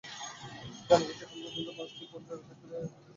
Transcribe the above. জানা গেছে, এখন পর্যন্ত পাঁচটি পণ্যের ক্ষেত্রে হেজের অনুমোদন চাওয়া হয়েছিল।